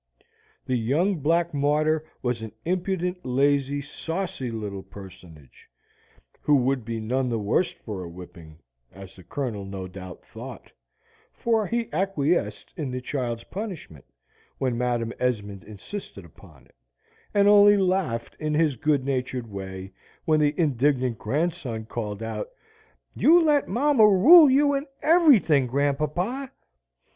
The young black martyr was an impudent, lazy, saucy little personage, who would be none the worse for a whipping, as the Colonel no doubt thought; for he acquiesced in the child's punishment when Madam Esmond insisted upon it, and only laughed in his good natured way when his indignant grandson called out, "You let mamma rule you in everything, grandpapa."